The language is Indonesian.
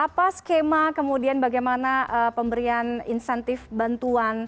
apa skema kemudian bagaimana pemberian insentif bantuan